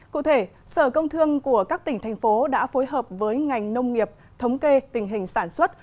cụ thể sở công thương của các tỉnh thành phố đã phối hợp với ngành nông nghiệp thống kê tình hình sản xuất